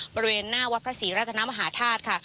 บริเวณหน้าวัดพระศรีรัตนมหาธาตุค่ะ